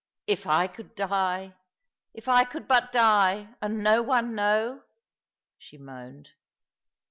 " If I could die— if I could but die, and no one know !" she moaned.